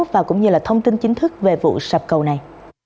và cũng như là thông tin chính thức về vụ sập cầu này